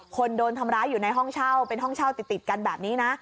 คนโดนทำร้ายอยู่ในห้องเช่าเป็นห้องเช่าติดกันแบบนี้นะ